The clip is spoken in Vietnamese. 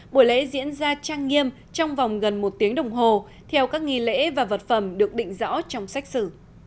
buổi lễ diễn ra trang nghiêm trong vòng gần một tiếng đồng hồ theo các nghi lễ và vật phẩm được định rõ trong sách xử